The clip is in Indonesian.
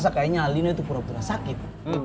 eh rasa kayaknya alina itu pura pura sakit